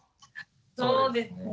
そうですね。